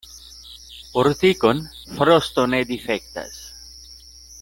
Urtikon frosto ne difektas.